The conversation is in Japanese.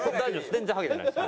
全然ハゲてないです。